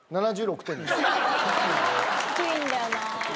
低いんだよな。